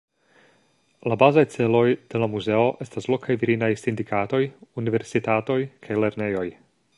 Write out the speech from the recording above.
La bazaj celoj de la muzeo estas lokaj virinaj sindikatoj, universitatoj kaj lernejoj.